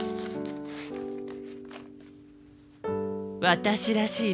私らしい